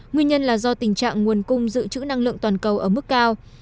nguyên nhân là do tình trạng nguồn cung giữ chữ năng lượng toàn cầu ở mức cao